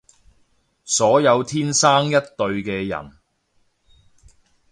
所有天生一對嘅人